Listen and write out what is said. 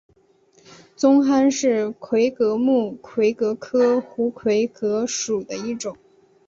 棕蚶是魁蛤目魁蛤科胡魁蛤属的一种。